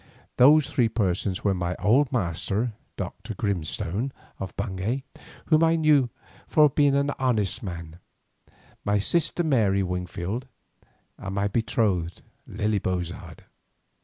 Those three persons were my old master, Doctor Grimstone of Bungay, whom I knew for the honestest of men, my sister Mary Wingfield, and my betrothed, Lily Bozard.